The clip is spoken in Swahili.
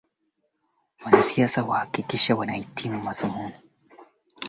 wa hewa na ubora wake wa hewa umeimarika sana